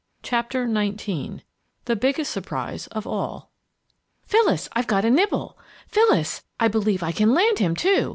CHAPTER XIX THE BIGGEST SURPRISE OF ALL "PHYLLIS! I've got a nibble, Phyllis! I believe I can land him, too.